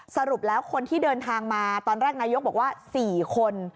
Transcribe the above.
สรุปแล้วคนที่เดินทางมาตอนแรกนายกบอกว่า๔คน